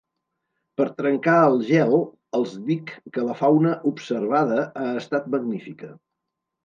Per trencar el gel, els dic que la fauna observada ha estat magnífica.